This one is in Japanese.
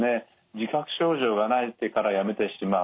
自覚症状がないからやめてしまう。